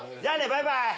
バイバイ！